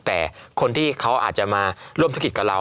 แต่คนที่เขาอาจจะมาร่วมธุรกิจกับเรา